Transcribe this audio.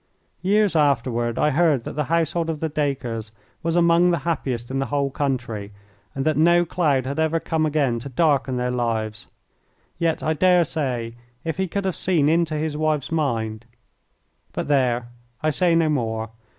Years afterward I heard that the household of the Dacres was among the happiest in the whole country, and that no cloud had ever come again to darken their lives. Yet I dare say if he could have seen into his wife's mind but there, I say no more!